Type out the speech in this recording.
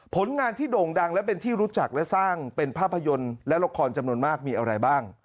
ผลงานที่โด่งดังและเป็นที่รู้จักและสร้างเป็นภาพยนตร์และละครจำนวนมากมีอะไรบ้าง